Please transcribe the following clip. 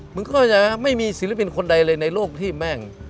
มันก็จะไม่มีศิลปินคนใดเลยในโลกที่แม่ง